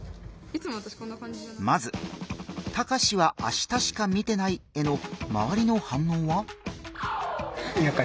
まず「タカシは明日しか見てない」へのまわりの反応は？